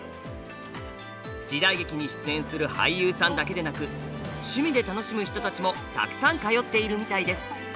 時代劇に出演する俳優さんだけでなく趣味で楽しむ人たちもたくさん通っているみたいです。